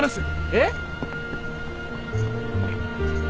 えっ！？